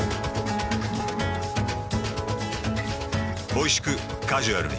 おいしくカジュアルに。